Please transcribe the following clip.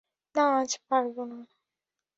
না, আজ পারবে না।